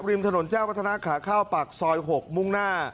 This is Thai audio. ริมถนนเจ้าวัฒนาขาเข้าปากซอย๖มุ่งหน้า